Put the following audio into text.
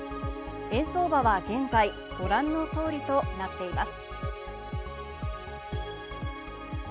円相場は現在ご覧の通りとなっています。